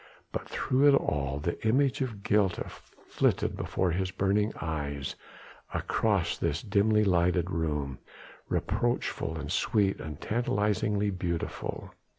But through it all the image of Gilda flitted before his burning eyes across this dimly lighted room, reproachful and sweet and tantalizingly beautiful.